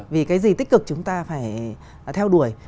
vì cái gì tích cực chúng ta phải theo đuổi